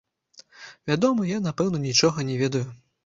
Вядома, я напэўна нічога не ведаю.